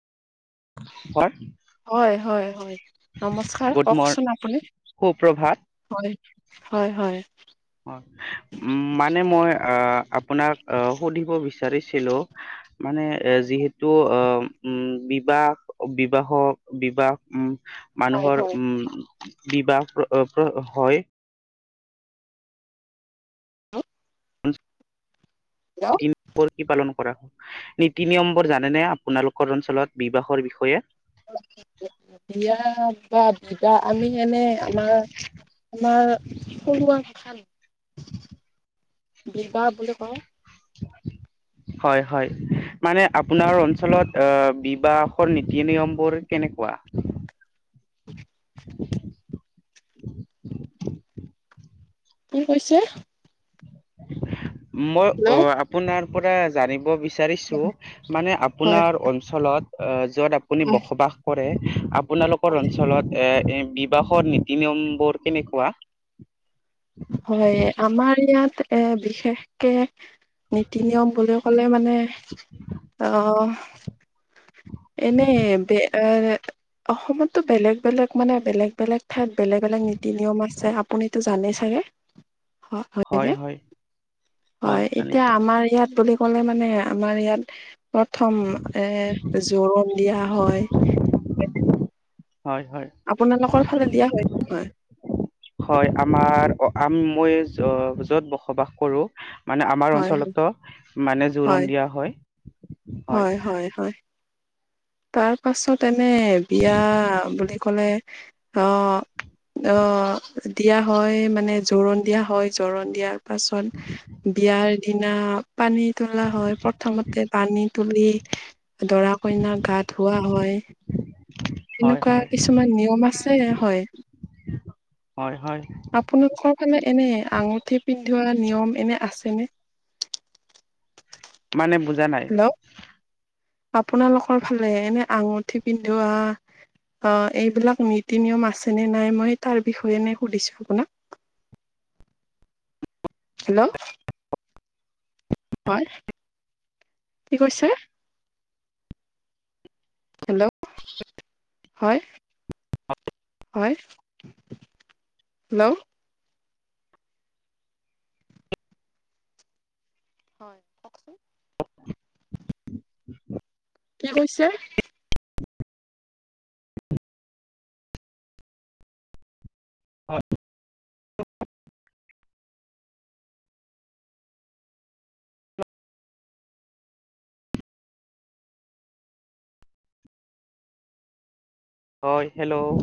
ক হয় হয় হয় নমস্কাৰ গুড মৰ কওকচোন আপুনি সুপ্ৰভাত হয় হয় হয় উ মানে মই অহ আপোনাক অহ সুধিব বি বিচাৰিছিলো মানে হয়, যিহেতু অ উম বিবাহ বিবাহক বিবাহ উ হয়, মানুহৰ হয়। উম বিবাহ হয় হেল্ল' কি পালন কৰা নীতি নিয়মবোৰ জানেনে আপোনালোকৰ অঞ্চলত বিবাহৰ বিষয়ে বিয়া বা বিঘা আমি এনেই আমাৰ আমাৰ সৰু আ কথান বিগাহ বুলি কও হয় হয় মানে আপোনাৰ অঞ্চলত অহ বিবাহৰ নীতি নিয়ম বোৰ কেনেকোৱা [unintelligible] কি কৈছে মই অ হেল্ল' আপোনাৰ পৰা জানিব বি জানিছো মানে হয়, আপোনাৰ অঞ্চলত যত আপুনি হয়। বসবাস কৰে আপোনালোকৰ হয়, অঞ্চলত এ বিবাহৰ নীতি নিয়ম বোৰ কেনেকোৱা হয় আমাৰ ইয়াত এ বিশেষকে নীতি নিয়ম বুলি ক'লে মানে অহ এনেই বে এ অসমতো বেলেগ বেলেগ মানে বেলেগ বেলেগ ঠাইত বেলেগ বেলেগ নীতি নিয়ম আছে আপুনিতো জানেই চাগে। হয় হয়নে হয় এতিয়া আমাৰ ইয়াত বুলি ক'লে মানে আমাৰ ইয়াত প্ৰথম এ জোৰোণ দিয়া হয় এ হয় হয় হয় নহয়? হয় আমাৰ আম মই য'ত বসবাস কৰো মানে আমাৰ হয় হয় অঞ্চলতো মানে জোৰোণ দিয়া হয় হয়। তাৰ পাছত এনে মানে বিয়া বুলি কলে অহ অহ দিয়া হয় মানে জোৰোণ দিয়া হয় জোৰোণ দিয়াৰ পাছত বিয়াৰ দিনা পানী তোলা হয় প্ৰথমতে পানী তুলি দৰা কইনাত গাত ধোৱা হয় হয় এনেকুৱা হয় কিছুমান নিয়ম আছে হয় হয় হয় আপোনোকৰ ফালে এনে আঙুঠি পিন্ধোৱা নিয়ম এনে আছেনে? মানে বুজা নাই হেল্ল' আপোনালোকৰ ফালে এনে আঙুঠি পিন্ধোৱা অ এইবিলাক নীতি নিয়ম আছে নে নাই মই তাৰ বিষয়ে নে সুধিছোঁ আপোনাক [unintelligible] হেল্ল'। হয় কি কৈছে হেল্ল' হয়। হয় হেল্ল' হয় কওকচোন কি কৈছে অ। হয় হেল্ল'